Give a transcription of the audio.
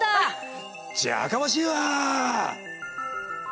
じゃかましいわ！